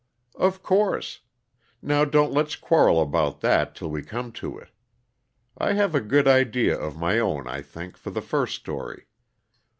"Of course. Now, don't let's quarrel about that till we come to it. I have a good idea of my own, I think, for the first story.